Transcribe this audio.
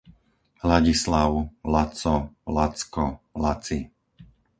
Ladislav, Laco, Lacko, Laci